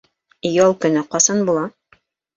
Ял көнө ҡасан була?